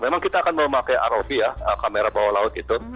memang kita akan memakai rov ya kamera bawah laut itu